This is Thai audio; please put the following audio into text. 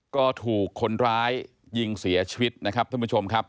ก็ถูกคนร้ายยิงเสียชีวิตนะครับท่านผู้ชมครับ